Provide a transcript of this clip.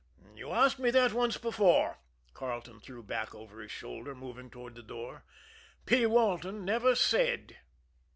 "You asked me that once before," Carleton threw back over his shoulder, moving toward the door. "P. Walton never said."